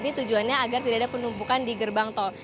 ini tujuannya agar tidak ada penumpukan di gerbang tol